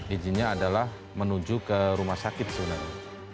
izinnya adalah menuju ke rumah sakit sebenarnya